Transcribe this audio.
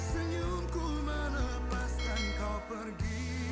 senyumku menepaskan kau pergi